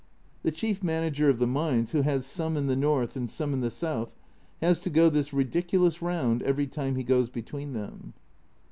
The chief manager of the mines, who has some in the north and some in the south, has to go this ridiculous round every time he goes between them.